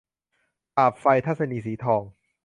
สาปไฟ - ทัศนีย์ สีทอง